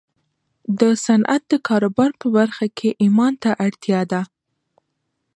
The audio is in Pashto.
د صنعت د کاروبار په برخه کې ايمان ته اړتيا ده.